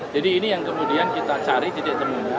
jadi ini yang kemudian kita cari titik temunya